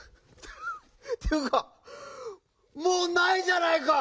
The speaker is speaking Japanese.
っていうかもうないじゃないか！